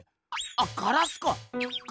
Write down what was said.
あっガラスか。